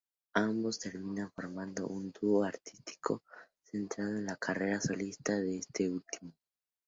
Ambos terminan formando un dúo artístico centrado en la carrera solista de este último.